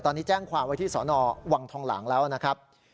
ตอนนี้แจ้งความไว้ที่สนวังทองหลางแล้วนะครับ